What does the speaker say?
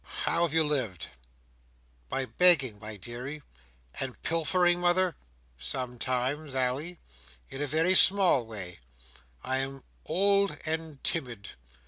"How have you lived?" "By begging, my deary. "And pilfering, mother?" "Sometimes, Ally—in a very small way. I am old and timid.